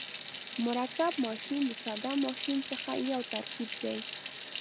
مرکب ماشین د ساده ماشینونو څخه یو ترکیب دی.